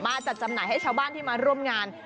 จัดจำหน่ายให้ชาวบ้านที่มาร่วมงาน